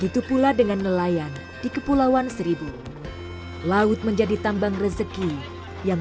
itu tiga lima ton yang di pulau panggang